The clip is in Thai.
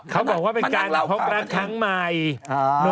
เขาบอกว่าเป็นการพบรักครั้งใหม่